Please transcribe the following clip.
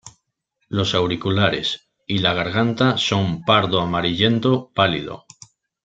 Los auriculares y la garganta son pardo amarillento pálido.